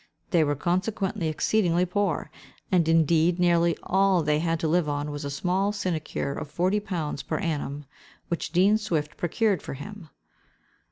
They were consequently exceedingly poor; and, indeed, nearly all they had to live on was a small sinecure of forty pounds per annum, which Dean Swift procured for him.